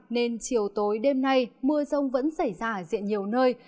nên chiều tối đêm nay mưa rông vẫn xảy ra ở diện nhiều nơi